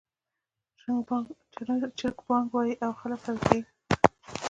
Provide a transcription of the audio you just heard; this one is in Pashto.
چرګ بانګ وايي او خلک راویښوي